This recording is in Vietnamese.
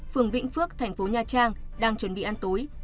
phường vĩnh phước thành phố nha trang đang chuẩn bị ăn tối